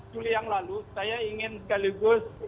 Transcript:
tiga belas juli yang lalu saya ingin sekaligus